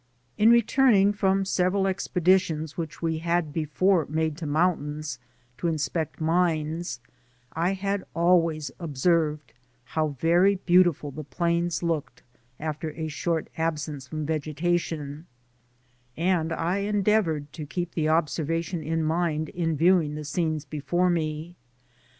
In returning from several expeditions which we had before made to mountains, to inspect mines, I had always observed how very beautiful the plains looked after a short absence from vegetation, and I endeavoured to keep the observation in mind in viewing the scenes before me.